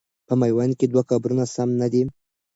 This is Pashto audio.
په میوند کې دوه قبرونه سم نه دي.